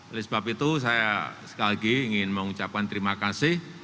oleh sebab itu saya sekali lagi ingin mengucapkan terima kasih